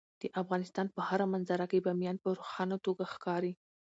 د افغانستان په هره منظره کې بامیان په روښانه توګه ښکاري.